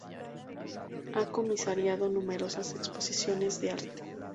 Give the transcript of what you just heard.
Ha comisariado numerosas exposiciones de arte.